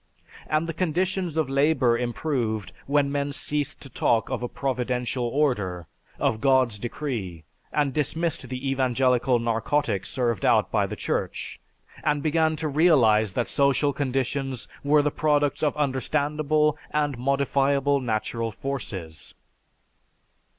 And the conditions of labor improved when men ceased to talk of a 'Providential Order,' of 'God's Decree,' and dismissed the evangelical narcotic served out by the Church, and began to realize that social conditions were the products of understandable and modifiable natural forces."